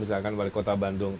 misalkan wali kota bandung